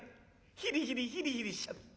ヒリヒリヒリヒリしちゃ。